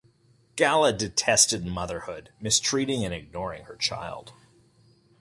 Gala detested motherhood, mistreating and ignoring her child.